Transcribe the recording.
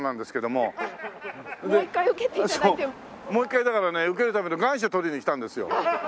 もう一回だからね受けるための願書取りに来たんですよ。